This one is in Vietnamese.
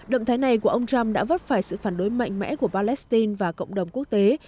động thái này của ông trump đã vấp phải sự phản đối mạnh mẽ của palestine và cộng đồng quốc tế